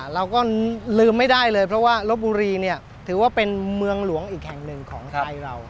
เราก็ลืมไม่ได้เลยเพราะว่าลบบุรีเนี่ยถือว่าเป็นเมืองหลวงอีกแห่งหนึ่งของไทยเรา